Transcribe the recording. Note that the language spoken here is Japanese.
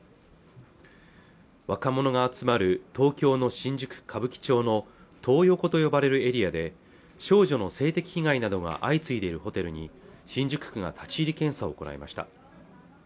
若者が集まる東京の新宿歌舞伎町のトー横と呼ばれるエリアで少女の性的被害などが相次いでいるホテルに新宿区が立ち入り検査を行いました